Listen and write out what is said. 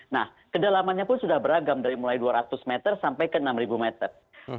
nah kedalamannya pun sudah beragam dari mulai dua ratus meter sampai ke enam meter